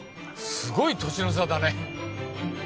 すごい年の差だね。